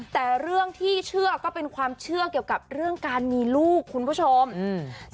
แต่เรื่องที่เชื่อก็เป็นความเชื่อเกี่ยวกับเรื่องการมีลูกคุณผู้ชมอืม